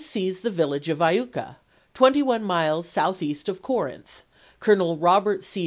seized the village of Iuka, twenty one miles south east of Corinth, Colonel Eobert C.